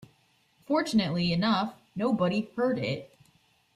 Fortunately enough, nobody heard it.